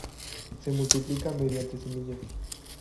Se multiplica mediante semillas.